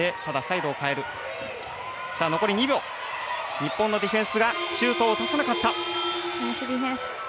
日本のディフェンスがシュートを打たせなかった。